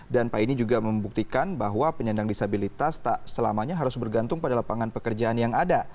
dan pak ini juga membuktikan bahwa penyendang disabilitas tak selamanya harus bergantung pada lapangan pekerjaan yang ada